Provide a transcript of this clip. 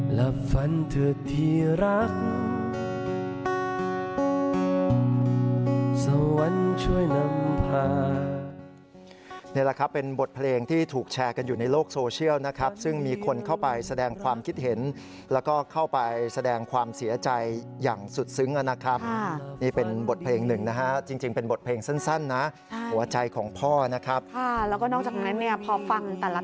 หลับฝันเธอที่รักสวรรค์ช่วยนำพา